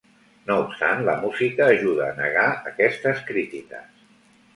No obstant, la música ajuda a negar aquestes crítiques.